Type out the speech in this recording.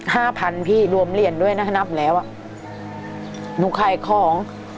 ห้าพันพี่รวมเหรียญด้วยนะนับแล้วอ่ะหนูขายของ